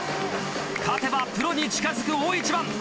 勝てばプロに近づく大一番。